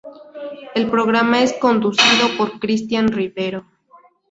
El programa es conducido por Cristian Rivero.